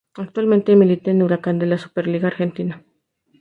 Actualmente milita en Huracán de la Superliga Argentina.